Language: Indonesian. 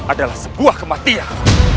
adalah sebuah kematian